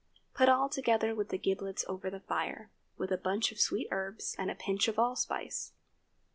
Put all together with the giblets over the fire, with a bunch of sweet herbs and a pinch of allspice.